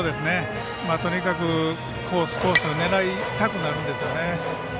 とにかくコースコースを狙いたくなるんですよね。